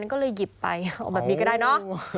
ก็เลยหยิบไปเอาแบบนี้ก็ได้เนอะ